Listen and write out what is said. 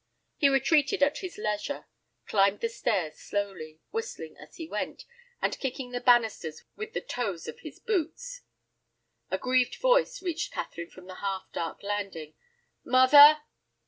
He retreated at his leisure, climbed the stairs slowly, whistling as he went, and kicking the banisters with the toes of his boots. A grieved voice reached Catherine from the half dark landing. "Mother?"